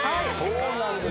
そうなんです。